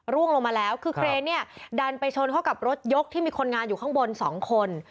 ร่วงลงมาแล้วคือเครนเนี่ยดันไปชนเข้ากับรถยกที่มีคนงานอยู่ข้างบน๒คน